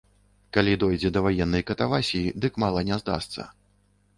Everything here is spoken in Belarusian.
Калі дойдзе да ваеннай катавасіі, дык мала не здасца.